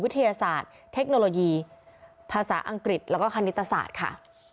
วิทยาศาสตร์เทคโนโลยีภาษาอังกฤษแล้วก็คณิตศาสตร์ค่ะ